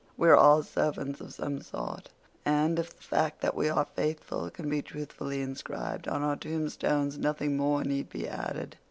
We are all servants of some sort, and if the fact that we are faithful can be truthfully inscribed on our tombstones nothing more need be added.